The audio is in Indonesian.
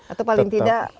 atau paling tidak